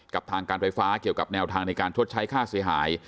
กับทางการไฟฟ้าเกี่ยวกับแนวทางในการชดใช้ค่าเสียหาย